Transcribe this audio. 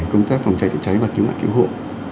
công tác phòng cháy chữa cháy và cứu nạn cứu hộ